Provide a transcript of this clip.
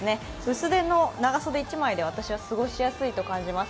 薄手の長袖１枚で私は過ごしやすいと感じます。